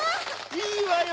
いいわよ